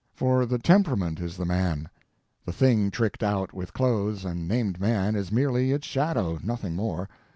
For the _temperament _is the man; the thing tricked out with clothes and named Man is merely its Shadow, nothing more.